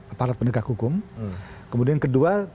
aparat penegak hukum kemudian kedua